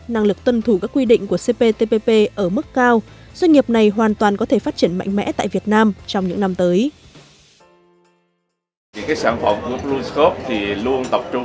năng lực tuân thủ các quy định của cptpp ở mức cao doanh nghiệp này hoàn toàn có thể phát triển mạnh mẽ tại việt nam trong những năm tới